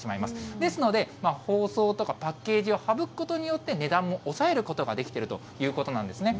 ですので、包装とかパッケージを省くことによって、値段も抑えることができているということなんですね。